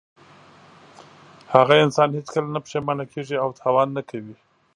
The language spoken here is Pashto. هغه انسان هېڅکله نه پښېمانه کیږي او تاوان نه کوي.